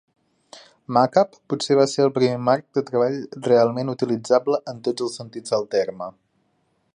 MacApp potser va ser el primer marc de treball realment utilitzable en tots els sentits del terme.